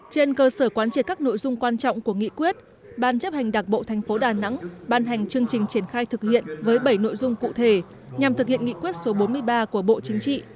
trên cơ sở quán triệt các nội dung quan trọng của nghị quyết ban chấp hành đảng bộ thành phố đà nẵng ban hành chương trình triển khai thực hiện với bảy nội dung cụ thể nhằm thực hiện nghị quyết số bốn mươi ba của bộ chính trị